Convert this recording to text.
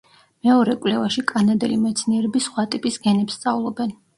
მეორე კვლევაში კანადელი მეცნიერები სხვა ტიპის გენებს სწავლობენ.